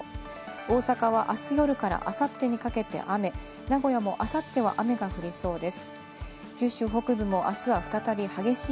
大阪はあす夜からあさってにかけて雨、名古屋もあさっては雨が降りそうです。